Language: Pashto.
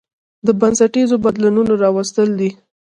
د بنسټيزو بدلونونو راوستل دي